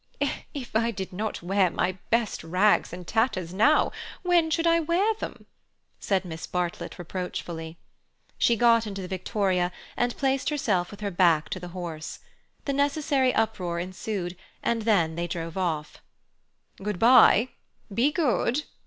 "If I did not wear my best rags and tatters now, when should I wear them?" said Miss Bartlett reproachfully. She got into the victoria and placed herself with her back to the horse. The necessary roar ensued, and then they drove off. "Good bye! Be good!"